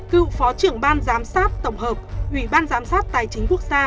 cựu phó trưởng ban giám sát tổng hợp ủy ban giám sát tài chính quốc gia